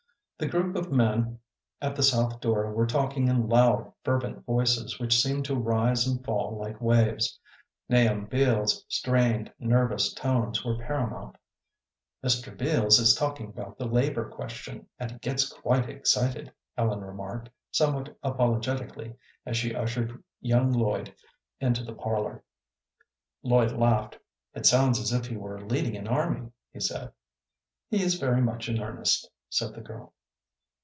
The group of men at the south door were talking in loud, fervent voices which seemed to rise and fall like waves. Nahum Beals's strained, nervous tones were paramount. "Mr. Beals is talking about the labor question, and he gets quite excited," Ellen remarked, somewhat apologetically, as she ushered young Lloyd into the parlor. Lloyd laughed. "It sounds as if he were leading an army," he said. "He is very much in earnest," said the girl.